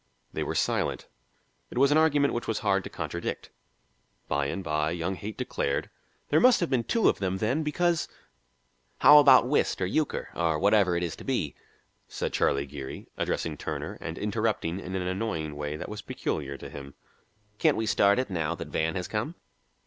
They were silent. It was an argument which was hard to contradict. By and by, young Haight declared, "There must have been two of them then, because " "How about whist or euchre or whatever it is to be?" said Charlie Geary, addressing Turner and interrupting in an annoying way that was peculiar to him. "Can't we start in now that Van has come?"